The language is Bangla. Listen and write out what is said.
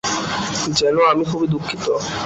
জেন, আমি খুবই দুঃখিত।